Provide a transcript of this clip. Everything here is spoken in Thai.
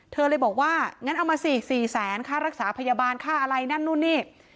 เธอเลยบอกว่างั้นเอามาสิ๔แสนค่ารักษาพยาบาลค่าอะไรนั่นนู่นนี่